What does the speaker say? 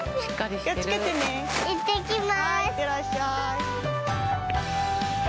いってらっしゃい。